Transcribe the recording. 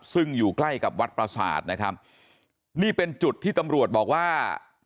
ซึ่งอยู่ใกล้กับวัดประสาทนะครับนี่เป็นจุดที่ตำรวจบอกว่า